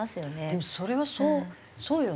でもそれはそうそうよね。